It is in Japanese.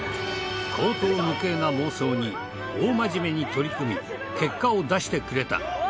荒唐無稽な妄想に大真面目に取り組み結果を出してくれた。